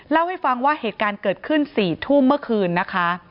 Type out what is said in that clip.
เล่าให้ฟังว่าเหตุการณ์เกิดขึ้น๔ทุ่มเมื่อคืนนะคะ